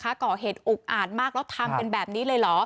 ก่อเหตุอุกอาจมากแล้วทำกันแบบนี้เลยเหรอ